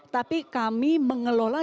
tapi kami mengelola dinamika